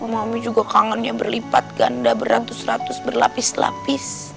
mamamu juga kangennya berlipat ganda beratus ratus berlapis lapis